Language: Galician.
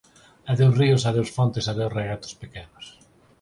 Adeus, ríos; adeus fontes; adeus regatos pequenos